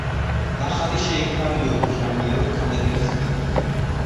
ნახაზი შეიქმნა რიო-დე-ჟანეიროს ქანდაკების მიხედვით.